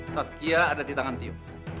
saskia ada di tangan tiup